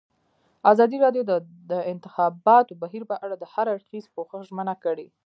ازادي راډیو د د انتخاباتو بهیر په اړه د هر اړخیز پوښښ ژمنه کړې.